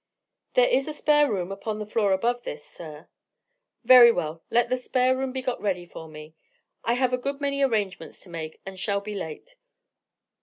"There is a spare room upon the floor above this, sir." "Very well; let the spare room be got ready for me. I have a good many arrangements to make, and shall be late."